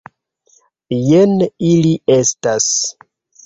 Jen ili estas.